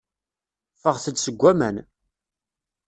Ffɣet-d seg waman.